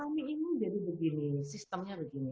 kami ini jadi begini sistemnya begini